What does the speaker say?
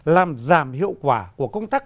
làm giảm hiệu quả của công tác